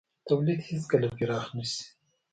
تولید هېڅکله پراخ نه شي.